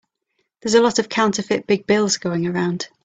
There's a lot of counterfeit big bills going around.